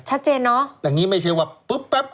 ชัดเจนเนอะอย่างนี้ไม่ใช่ว่าปุ๊บปั๊บ